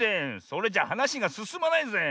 それじゃはなしがすすまないぜ。